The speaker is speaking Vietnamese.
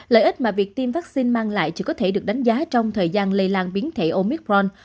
lợi ích mà việc tiêm vaccine mang lại chỉ có thể được đánh giá trong thời gian lây lan biến thể omicron